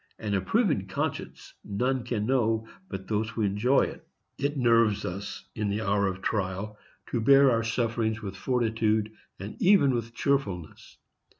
An approving conscience none can know but those who enjoy it. It nerves us in the hour of trial to bear our sufferings with fortitude, and even with cheerfulness.